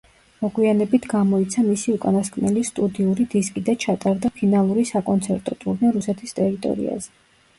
მოგვიანებით გამოიცა მისი უკანასკნელი სტუდიური დისკი და ჩატარდა ფინალური საკონცერტო ტურნე რუსეთის ტერიტორიაზე.